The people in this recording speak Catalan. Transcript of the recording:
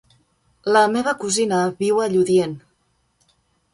La meva cosina viu a Lludient.